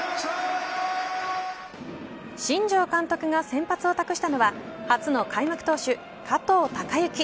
新庄監督が先発を託したのは初の開幕投手、加藤貴之。